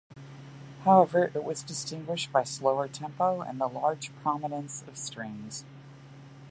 However, it was distinguished by slower tempo, and the large prominence of strings.